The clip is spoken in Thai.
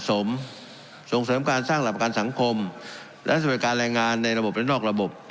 ส่งส่งเสริมการสร้างหลักประกันสังคมและสวัสดิการแรงงานในระบบและนอกระบบ